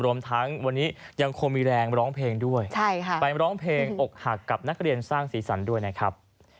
รวมทั้งวันนี้ยังคงมีแรงร้องเพลงด้วยไปร้องเพลงอกหักกับนักเรียนสร้างสีสันด้วยนะครับ